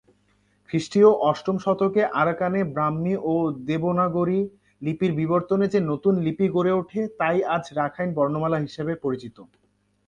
খ্রিষ্টীয় অষ্টম শতকে আরাকানে ব্রাহ্মী ও দেবনাগরী লিপির বিবর্তনে যে নতুন লিপি গড়ে ওঠে, তাই আজ রাখাইন বর্ণমালা হিসেবে পরিচিত।